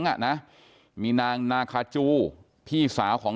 นางนาคะนี่คือยายน้องจีน่าคุณยายถ้าแท้เลย